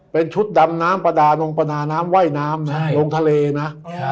เป็นชุดดำน้ำประดาลงประดาน้ำว่ายน้ำนะลงทะเลนะ